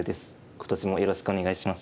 今年もよろしくお願いします。